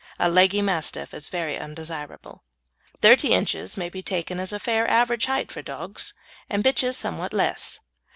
A leggy Mastiff is very undesirable. Thirty inches may be taken as a fair average height for dogs, and bitches somewhat less.